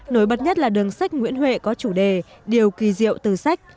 nổi bật nhất là đường sách nguyễn huệ có chủ đề điều kỳ diệu từ sách